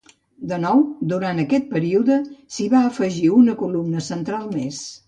De nou, durant aquest període, s'hi va afegir una columna central més.